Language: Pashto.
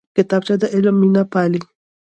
کتابچه د علم مینه پالي